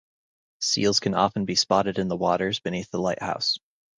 Seals can often be spotted in the waters beneath the light house.